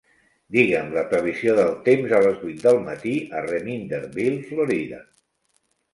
Diguem la previsió del temps a les vuit del matí a Reminderville, Florida